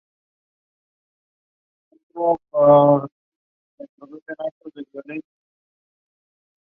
Se encuentra en gran parte del África subsahariana.